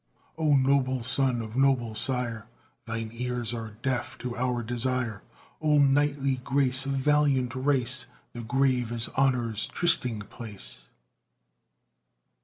O noble son of noble sire, Thine ears are deaf to our desire! O knightly grace Of valiant race, The grave is honor's trysting place!